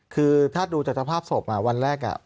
คือถ้าดูจากสภาพศพวันแรก